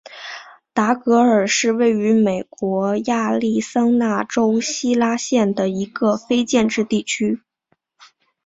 达格尔是位于美国亚利桑那州希拉县的一个非建制地区。